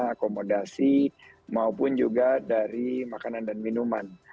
akomodasi maupun juga dari makanan dan minuman